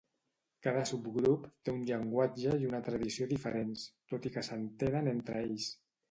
Cada subgrup té un llenguatge i una tradició diferents, tot i que s'entenen entre ells.